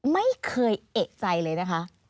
ไม่เคยเอกใจเลยนะคะ